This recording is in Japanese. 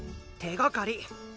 手がかり。